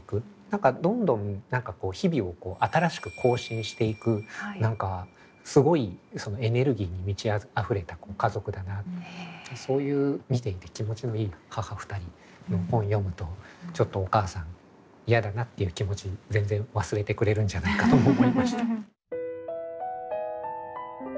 何かどんどん日々を新しく更新していく何かすごいそのエネルギーに満ちあふれた家族だなってそういう見ていて気持ちのいい「母ふたり」の本読むとちょっとお母さん嫌だなっていう気持ち全然忘れてくれるんじゃないかと思いました。